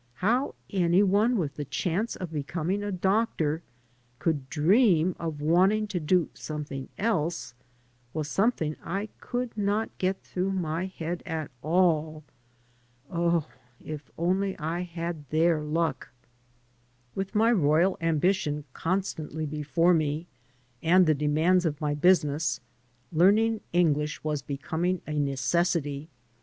How any one with the chance of becoming a doctor could dream of wanting to do something else was something I could not get through my head at all. Oh, if only I had their luck ! With my royal ambition constantly before me, and the demands of my business, learning English was becoming a necessity.